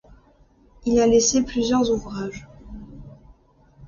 Il a laissé plusieurs ouvrages.